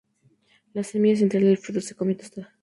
La semilla central del fruto se come tostada.